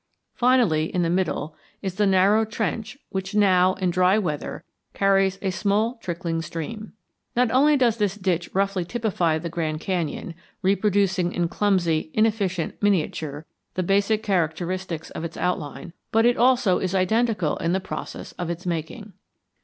Finally, in the middle, is the narrow trench which now, in dry weather, carries a small trickling stream. Not only does this ditch roughly typify the Grand Canyon, reproducing in clumsy, inefficient miniature the basic characteristics of its outline, but it also is identical in the process of its making.